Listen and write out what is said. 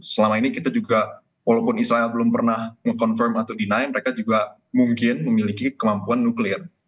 selama ini kita juga walaupun israel belum pernah nge confirm atau deni mereka juga mungkin memiliki kemampuan nuklir